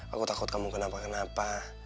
aku takut kamu kenapa kenapa